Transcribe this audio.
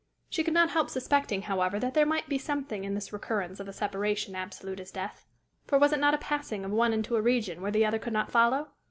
She could not help suspecting, however, that there might be something in this recurrence of a separation absolute as death for was it not a passing of one into a region where the other could not follow?